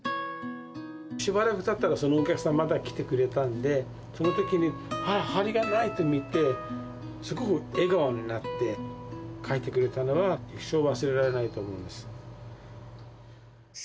しばらくたってから、そのお客さん、また来てくれたんで、そのときに、あっ、針がないと言って、すごく笑顔になって帰ってくれたのは、一生忘れられないと思います。